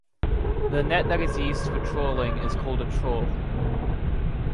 The net that is used for trawling is called a trawl.